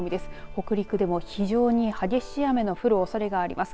北陸でも非常に激しい雨の降るおそれがあります。